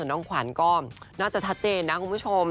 น้องขวัญก็น่าจะชัดเจนนะคุณผู้ชม